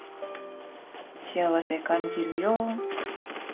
「幸せ感じるよ」。